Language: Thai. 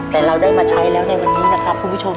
แต่เราได้มาใช้แล้วในวันนี้นะครับคุณผู้ชม